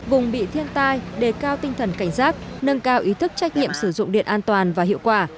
vùng bị thiên tai đề cao tinh thần cảnh giác nâng cao ý thức trách nhiệm sử dụng điện an toàn và hiệu quả